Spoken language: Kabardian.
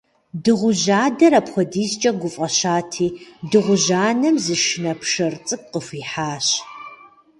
Дыгъужь адэр апхуэдизкӀэ гуфӀэщати, дыгъужь анэм зы щынэ пшэр цӀыкӀу къыхуихьащ.